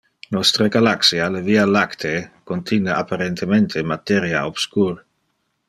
Nostre galaxia, le Via lactee, contine apparentemente materia obscur.